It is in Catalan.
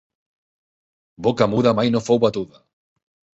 Boca muda mai no fou batuda.